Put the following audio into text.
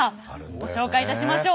ご紹介いたしましょう。